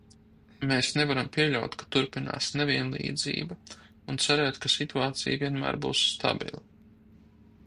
Mēs nevaram pieļaut, ka turpinās nevienlīdzība, un cerēt, ka situācija vienmēr būs stabila.